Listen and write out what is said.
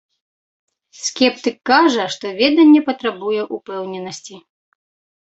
Скептык кажа, што веданне патрабуе упэўненасці.